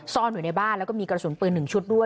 ซ่อนอยู่ในบ้านแล้วก็มีกระสุนปืน๑ชุดด้วย